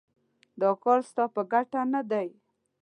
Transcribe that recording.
دا کار ستا په ګټه نه دی.